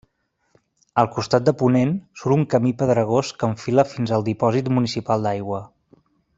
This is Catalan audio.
Al costat de ponent, surt un camí pedregós que enfila fins al dipòsit municipal d'aigua.